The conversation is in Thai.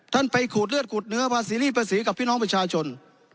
ท่านไปขูดเลือดขูดเนื้อภาษีรีสภาษีกับพี่น้องประชาชน